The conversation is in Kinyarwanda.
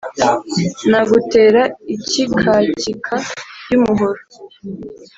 Nagutera ikikakika yu umuhoro